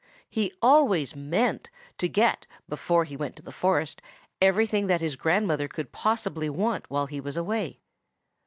He always meant to get before he went to the forest everything that his grandmother could possibly want while he was away.